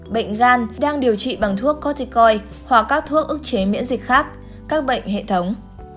bệnh gan đang điều trị bằng thuốc corticoin hoặc các thuốc ức chế miễn dịch khác các bệnh hệ thống